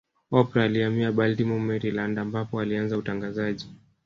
Oprah alihamia Baltimore Maryland ambapo alianza utangazaji